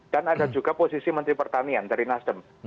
dan ada juga posisi menteri pertanian dari nasdem